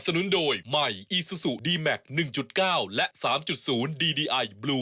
ตลอดกินวันนี้นะครับ